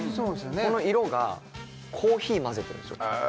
この色がコーヒー混ぜてるんですよえ！